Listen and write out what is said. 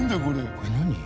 これ何？